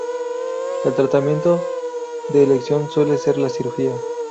El tratamiento de elección suele ser la cirugía.